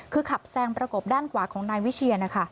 คือขับแซงประกบด้านขวาของนายวิเชียนนะคะ